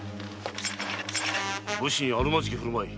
武士にあるまじき振る舞い。